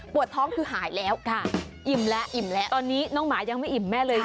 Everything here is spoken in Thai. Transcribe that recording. ปวดท้องคือหายแล้วอิ่มแล้วตอนนี้น้องหมายังไม่อิ่มแม่เลย